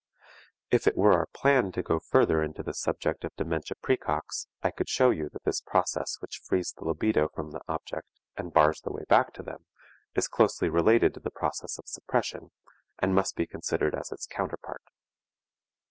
If it were our plan to go further into the subject of dementia praecox, I would show you that this process which frees the libido from the objects and bars the way back to them, is closely related to the process of suppression, and must be considered as its counterpart.